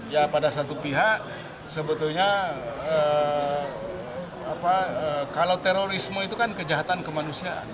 ya pada satu pihak sebetulnya kalau terorisme itu kan kejahatan kemanusiaan